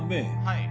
はい